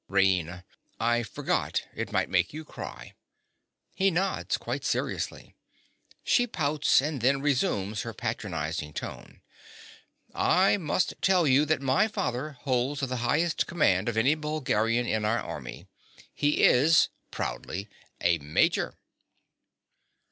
RAINA. I forgot. It might make you cry. (He nods, quite seriously. She pouts and then resumes her patronizing tone.) I must tell you that my father holds the highest command of any Bulgarian in our army. He is (proudly) a Major.